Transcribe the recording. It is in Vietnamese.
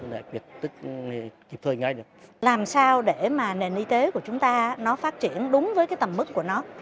làm sao để mà nền y tế của chúng ta nó phát triển đúng với cái tầm mức của nó